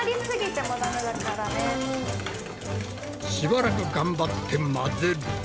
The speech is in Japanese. しばらく頑張って混ぜると。